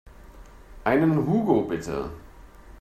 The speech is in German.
Einen Hugo bitte.